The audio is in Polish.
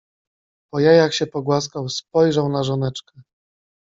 Po jajach się pogłaskał, spojrzał na żoneczkę: